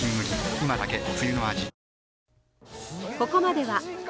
今だけ冬の味